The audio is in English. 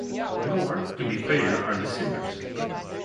Nor, to be fair, are the singers.